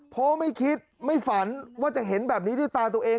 เพราะไม่คิดไม่ฝันว่าจะเห็นแบบนี้ด้วยตาตัวเอง